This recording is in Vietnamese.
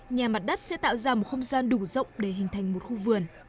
nhà mặt đất sẽ tạo ra một không gian đủ rộng để hình thành một khu vườn